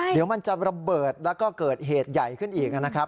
เดี๋ยวมันจะระเบิดแล้วก็เกิดเหตุใหญ่ขึ้นอีกนะครับ